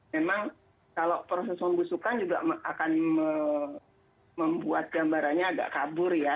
memang kalau proses pembusukan juga akan membuat gambarannya agak kabur ya